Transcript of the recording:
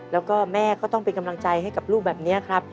แล้วก็แม่ก็ต้องเป็นกำลังใจให้กับลูกแบบนี้ครับ